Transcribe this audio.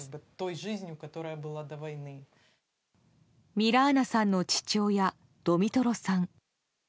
ミラーナさんの父親ドミトロさん。